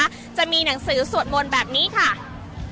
อาจจะออกมาใช้สิทธิ์กันแล้วก็จะอยู่ยาวถึงในข้ามคืนนี้เลยนะคะ